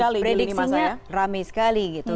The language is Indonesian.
dan prediksinya rame sekali gitu